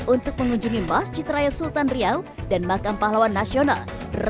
untuk mengunjungi masjid raya sultan riau dan makam pahlawan nasional